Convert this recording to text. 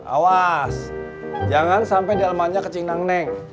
awas jangan sampai delmannya ke cingdang neng